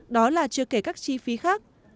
đó là chưa kể các chi phí khác